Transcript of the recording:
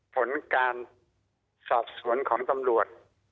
ผลการสอบสวนของตำรวจ